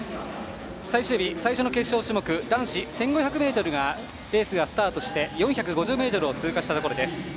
最終日、最初の決勝種目は男子１５００ｍのレースがスタートして４５０ｍを通過したところです。